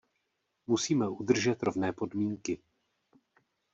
Musíme udržet rovné podmínky.